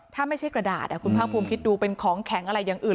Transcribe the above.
ถ้าไม่ใช่กระดาษคุณภาคภูมิคิดดูเป็นของแข็งอะไรอย่างอื่น